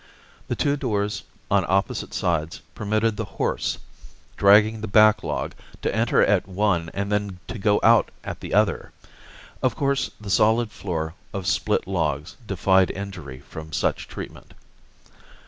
The two doors on opposite sides permitted the horse, dragging the backlog, to enter at one and then to go out at the other. Of course, the solid floor of split logs defied injury from such treatment.